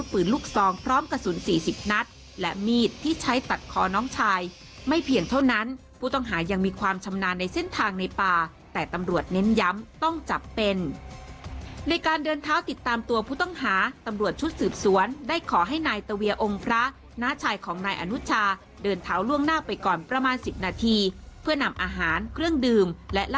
ปืนลูกซองพร้อมกระสุน๔๐นัดและมีดที่ใช้ตัดคอน้องชายไม่เพียงเท่านั้นผู้ต้องหายังมีความชำนาญในเส้นทางในป่าแต่ตำรวจเน้นย้ำต้องจับเป็นในการเดินเท้าติดตามตัวผู้ต้องหาตำรวจชุดสืบสวนได้ขอให้นายตะเวียองค์พระน้าชายของนายอนุชาเดินเท้าล่วงหน้าไปก่อนประมาณ๑๐นาทีเพื่อนำอาหารเครื่องดื่มและล